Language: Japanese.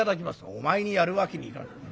「お前にやるわけにいかない。